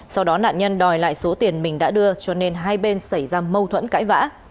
sau đó nạn nhân đòi lại số tiền mình đã đưa cho nên hai bên xảy ra mâu thuẫn cãi vã